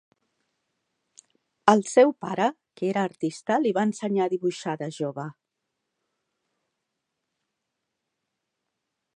El seu pare, que era artista, li va ensenyar a dibuixar de jove.